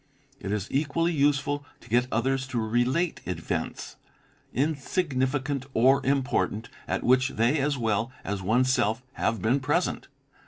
It is equally useful to get others to relate events, insignificant or important, _ at which they as well as oneself have been present.